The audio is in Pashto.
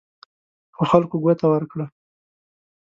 خو خلکو ګوته ورکړه.